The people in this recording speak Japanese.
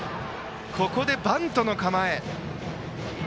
ここでバントの構え。